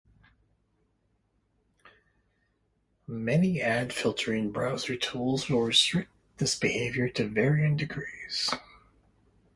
Many ad filtering browser tools will restrict this behavior to varying degrees.